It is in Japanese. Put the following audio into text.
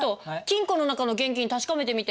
金庫の中の現金確かめてみて。